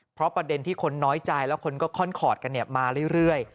เพราะประเด็นที่คนน้อยใจแล้วคนก็ค่อนคอร์ดกันมาเรื่อย